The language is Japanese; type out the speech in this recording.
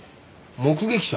目撃者？